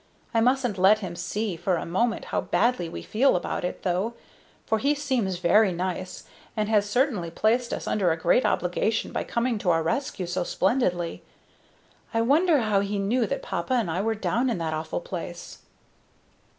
I mustn't let him see for a moment how badly we feel about it, though, for he seems very nice, and has certainly placed us under a great obligation by coming to our rescue so splendidly. I wonder how he knew that papa and I were down in that awful place?"